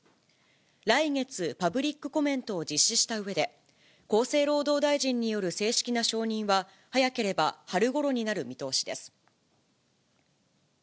来月、パブリックコメントを実施したうえで、厚生労働大臣による正式な承認は、早ければ春ごろになる見通しです。